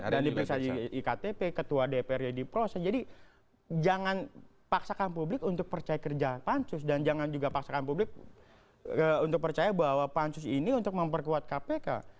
dan diperiksa iktp ketua dpr yang diproses jadi jangan paksakan publik untuk percaya kerja pansus dan jangan juga paksakan publik untuk percaya bahwa pansus ini untuk memperkuat kpk